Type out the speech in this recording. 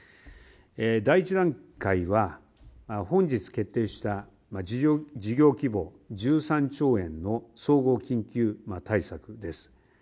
第１段階は、本日決定した、事業規模１３兆円の総合緊急対策です。